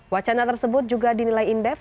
wacana tersebut juga dinilai indef